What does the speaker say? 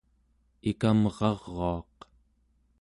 ikamraruaq